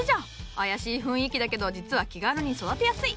妖しい雰囲気だけど実は気軽に育てやすい。